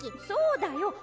そうだよ。